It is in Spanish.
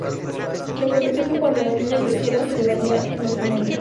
Le prometió que cuando la niña creciera se la daría en matrimonio.